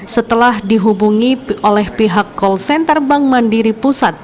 setelah dihubungi oleh pihak call center bank mandiri pusat